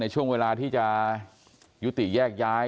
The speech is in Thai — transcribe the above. ช่วงเวลาที่จะยุติแยกย้าย